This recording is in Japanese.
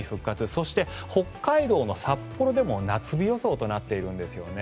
そして、北海道の札幌でも夏日予想となっているんですね。